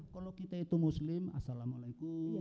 kalau kita itu muslim assalamualaikum